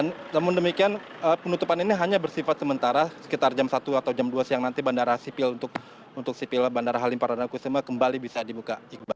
namun demikian penutupan ini hanya bersifat sementara sekitar jam satu atau jam dua siang nanti bandara sipil untuk sipil bandara halim perdana kusuma kembali bisa dibuka